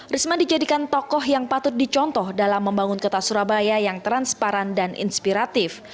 risma dijadikan tokoh yang patut dicontoh dalam membangun kota surabaya yang transparan dan inspiratif